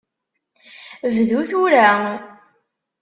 Bdu tura!